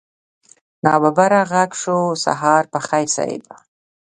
ناببره غږ شو سهار په خير صيب.